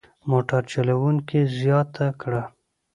موټر چلوونکي زیاته کړه.